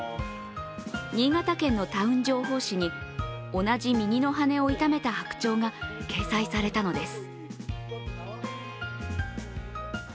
新潟県のタウン情報誌に同じ右の羽を痛めた白鳥が掲載されたのです。